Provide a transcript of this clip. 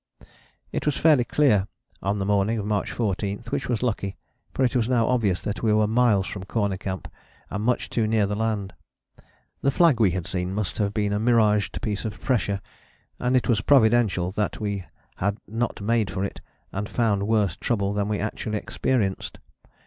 It was fairly clear on the morning of March 14, which was lucky, for it was now obvious that we were miles from Corner Camp and much too near the land. The flag we had seen must have been a miraged piece of pressure, and it was providential that we had not made for it, and found worse trouble than we actually experienced.